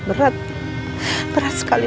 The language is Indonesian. berat berat sekali